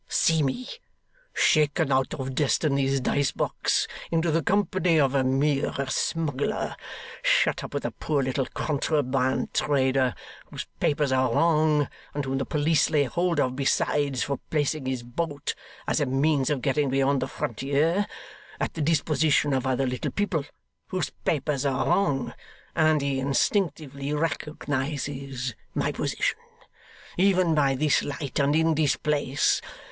See me! Shaken out of destiny's dice box into the company of a mere smuggler; shut up with a poor little contraband trader, whose papers are wrong, and whom the police lay hold of besides, for placing his boat (as a means of getting beyond the frontier) at the disposition of other little people whose papers are wrong; and he instinctively recognises my position, even by this light and in this place.